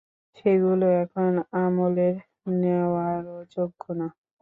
সেগুলো এখন আমলের নেওয়ারও যোগ্য না!